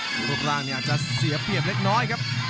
ลูกร่างอยากจะเสียเผียบเล็กน้อยครับ